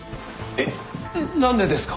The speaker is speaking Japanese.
えっ何でですか？